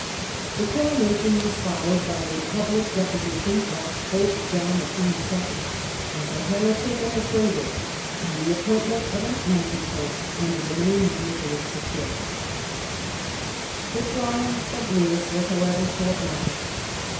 The ITALY, 1313 1378 77 coronation was followed by a public deposition of Pope John XXII. as a heretic and a traitor, and the appoint ment of an Anti pope under the name of Nicholas V. The triumph of Lewis was, however, short lived.